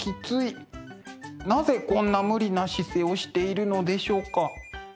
なぜこんな無理な姿勢をしているのでしょうか？